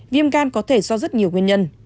viêm gan có thể do rất nhiều nguyên nhân